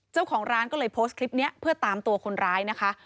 เจ้าของร้านก็เลยโพสต์คลิปนี้เพื่อตามตัวคนร้ายนะคะ